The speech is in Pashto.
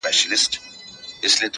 کلی رخصت اخلي ه ښاريه ماتېږي_